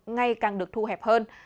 ngày càng được thu hẹn